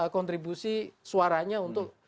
kontribusi suaranya untuk